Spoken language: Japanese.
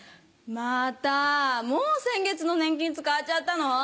またもう先月の年金使っちゃったの？